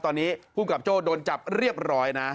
ตอนนี้ภูมิกับโจ้โดนจับเรียบร้อยนะ